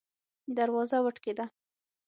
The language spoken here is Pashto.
دروازه وټکیده